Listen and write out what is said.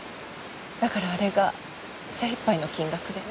だからあれが精いっぱいの金額で。